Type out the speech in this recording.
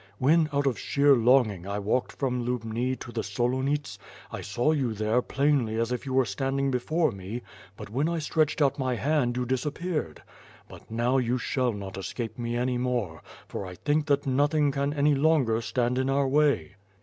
"When, out of sheer longing, I walked from Lubni to the Solonits, T saw you there plainly as if you were standing be fore me, but when I stretched out my hand, you disappeared. 58 ^^»*^ WM AKD mORD, But now, you shall not escape me any more; for I think that nothing can any longer stand in our way."